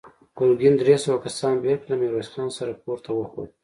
ګرګين درې سوه کسان بېل کړل، له ميرويس خان سره پورته وخوت.